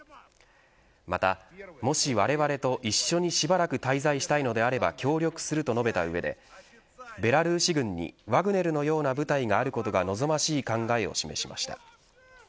また、もしわれわれと一緒にしばらく滞在したいのであれば協力すると述べた上でベラルーシ軍にワグネルのような部隊があることが望ましい考えを示しました。